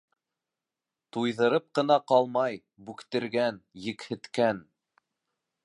Туйҙырып ҡына ҡалмай, бүктергән, екһеткән.